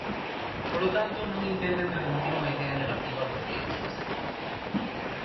Polo tanto, non intenten transmitir unha idea negativa do que é este sector.